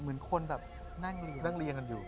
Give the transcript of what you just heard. แผ่มส่วนบุญภูมิข้างหลังด้วย